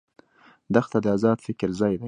دښته د آزاد فکر ځای ده.